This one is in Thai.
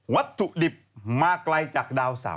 วัตถุดิบมาไกลจากดาวเสาร์